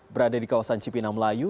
berada di kawasan cipinang melayu